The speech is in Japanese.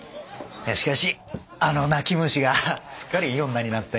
いやしかしあの泣き虫がすっかりいい女になって。